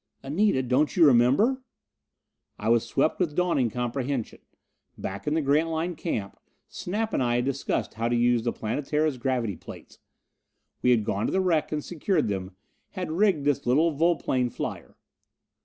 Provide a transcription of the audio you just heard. "Anita! Don't you remember!" I was swept with dawning comprehension. Back in the Grantline camp Snap and I had discussed how to use the Planetara's gravity plates. We had gone to the wreck and secured them, had rigged this little volplane flyer....